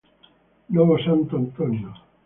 Novo Santo Antônio